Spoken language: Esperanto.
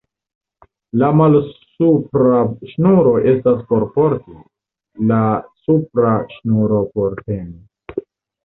La malsupra ŝnuro estas por porti, la supra ŝnuro por teni.